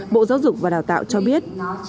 bộ giáo dục và đào tạo cho biết